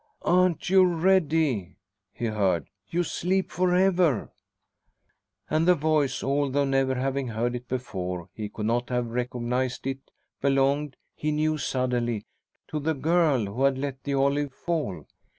"Aren't you ready?" he heard. "You sleep for ever." And the voice, although never having heard it before, he could not have recognised it, belonged, he knew suddenly, to the girl who had let the olive fall.